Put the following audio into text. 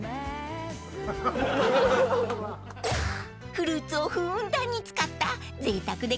［フルーツをふんだんに使ったぜいたくで］